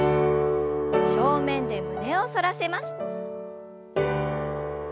正面で胸を反らせます。